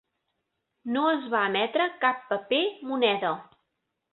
No es va emetre cap paper moneda.